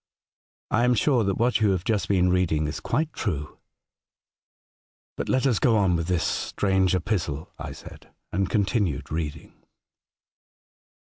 I am sure that what you have just been reading is quite true.' ''' But let us go on with this strange epistle,' I said, and continued reading.